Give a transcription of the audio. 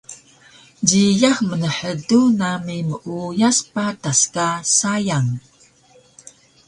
Jiyax mnhdu nami meuyas patas ka sayang